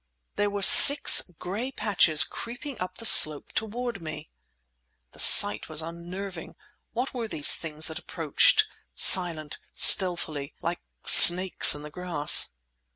There were six gray patches creeping up the slope toward me! The sight was unnerving. What were these things that approached, silently, stealthily—like snakes in the grass?